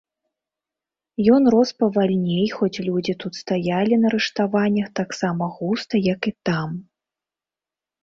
Ён рос павальней, хоць людзі тут стаялі на рыштаваннях таксама густа, як і там.